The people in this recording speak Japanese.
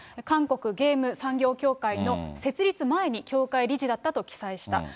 韓国ゲーム産業協会の設立前に協会理事だったと記載した。